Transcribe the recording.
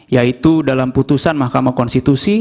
yaitu dalam putusan mahkamah konstitusi